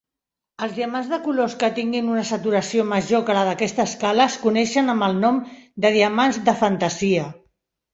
Els diamants de colors amb tinguin una saturació major que la d'aquesta escala es coneixen amb el nom de diamants "de fantasia".